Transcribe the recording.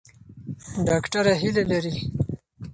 ډاکټره هیله لري.